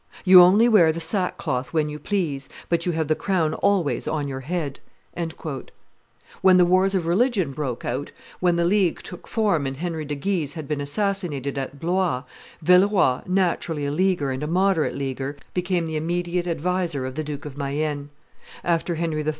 You only wear the sackcloth when you please, but you have the crown always on your head." When the wars of religion broke out, when the League took form and Henry de Guise had been assassinated at Blois, Villeroi, naturally a Leaguer and a moderate Leaguer, became the immediate adviser of the Duke of Mayenne. After Henry III.